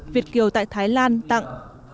việt kiều tại thái lan tặng